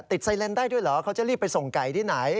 ไซเลนได้ด้วยเหรอเขาจะรีบไปส่งไก่ที่ไหน